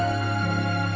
kamu mau ngerti